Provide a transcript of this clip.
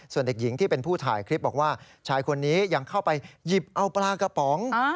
ส่วนเด็กหญิงที่เป็นผู้ถ่ายคลิปบอกว่าชายคนนี้ยังเข้าไปหยิบเอาปลากระป๋อง